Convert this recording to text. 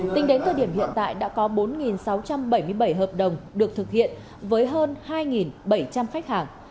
tính đến thời điểm hiện tại đã có bốn sáu trăm bảy mươi bảy hợp đồng được thực hiện với hơn hai bảy trăm linh khách hàng